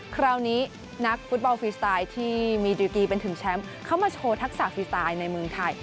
คราวนี้นักฟุตบอลฟรีสไตล์ที่มีดิวกีเป็นถึงแชมป์เข้ามาโชว์ทักษะฟรีสไตล์ในเมืองไทย